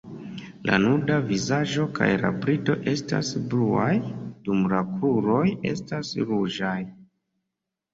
La nuda vizaĝo kaj la brido estas bluaj, dum la kruroj estas ruĝaj.